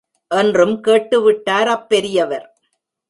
என்றும் கேட்டு விட்டார் அப்பெரியவர்.